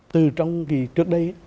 từ trong cái trước đây